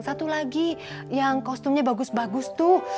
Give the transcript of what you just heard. satu lagi yang kostumnya bagus bagus tuh